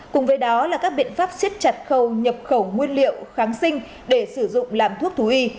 cùng với đó là các biện pháp siết chặt khâu nhập khẩu nguyên liệu kháng sinh để sử dụng làm thuốc thú y